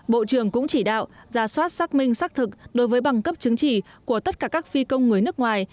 bộ trưởng cũng chỉ đạo giả soát xác minh xác thực đối với bằng cấp chứng chỉ của tất cả các phi công người nước ngoài